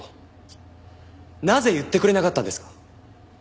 なぜ言ってくれなかったんですか？